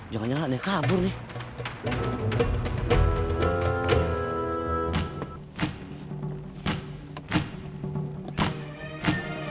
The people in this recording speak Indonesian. jangan jangan lah ini kabur nih